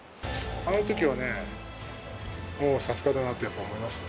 あのときはね、もうさすがだなと思いましたよ。